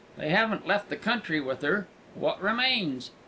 They haven't left the country with her. What remains?